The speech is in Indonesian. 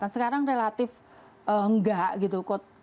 sekarang relatif enggak gitu